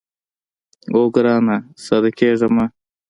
اوو ګرانه ساده کېږه مه.